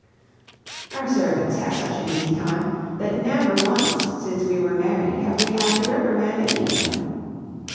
Our servants have such an easy time, that never once since we were married have we had to reprimand any of them.